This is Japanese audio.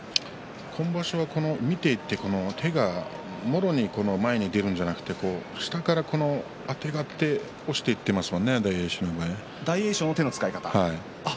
今場所は見ていって手がもろに前に出るのではなく下からあてがって押していますものね、大栄翔は。